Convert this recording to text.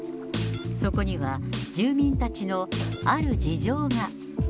そこには住民たちのある事情が。